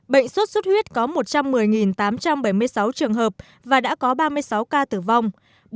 bệnh sốt xuất huyết có một trăm một mươi tám trăm bảy mươi sáu trường hợp và đã có ba mươi sáu ca tử vong